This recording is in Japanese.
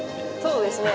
・そうですね。